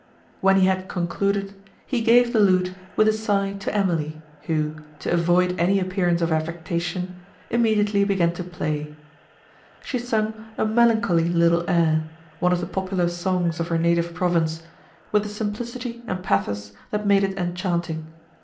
When he had concluded, he gave the lute with a sigh to Emily, who, to avoid any appearance of affectation, immediately began to play. She sung a melancholy little air, one of the popular songs of her native province, with a simplicity and pathos that made it enchanting.